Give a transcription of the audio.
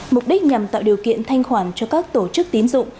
mục đích nhằm tạo điều kiện thanh khoản cho các tổ chức tín dụng